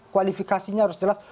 kualifikasinya harus jelas